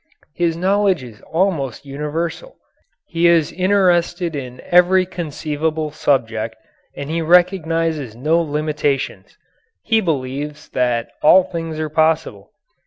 His knowledge is almost universal. He is interested in every conceivable subject and he recognizes no limitations. He believes that all things are possible.